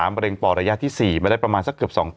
สีวิต้ากับคุณกรนิดหนึ่งดีกว่านะครับแฟนแห่เชียร์หลังเห็นภาพ